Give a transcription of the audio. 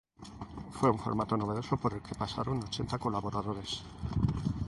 Fue un formato novedoso por el que pasaron ochenta colaboradores.